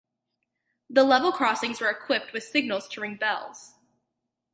The level crossings were equipped with signals to ring bells.